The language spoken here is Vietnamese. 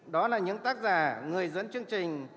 đó là những tác giả người dẫn chương trình